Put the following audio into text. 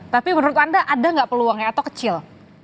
tapi menurut anda ada nggak peluangnya atau kecil